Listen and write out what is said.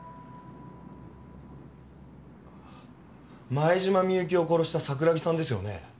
前島美雪を殺した桜木さんですよね？